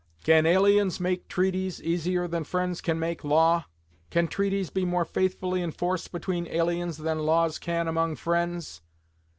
Can aliens make treaties easier than friends can make law? Can treaties be more faithfully enforced between aliens than laws can among friends?